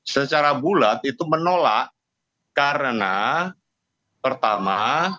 secara bulat itu menolak karena pertama